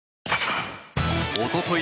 おととい